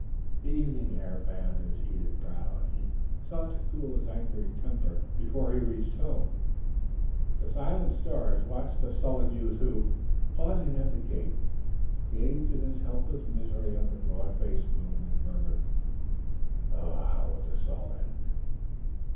The evening air fanned his heated brow, and he sought to cool his angry temper before he reached home. The silent stars watched the sullen youth who, pausing at the gate, gazed in his helpless misery on the broad faced moon and murmured: "How will all this end?"